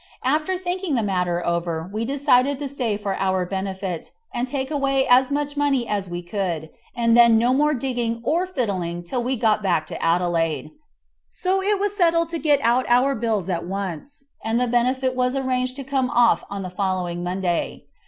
After thinking the matter over, we decided to stay for our benefit, and take away as much money as we could, and then no more digging or fiddling till we got back to Adelaide. So it was settled to get out our bills at once, and the benefit was arranged to come off on the following Monday.